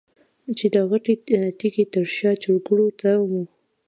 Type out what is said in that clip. چې د غټې تيږې تر شا چرګوړو ته وه.